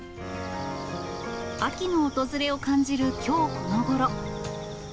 秋の訪れを感じるきょうこのごろ。